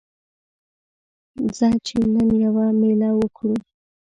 ځه چې نن یوه میله وکړو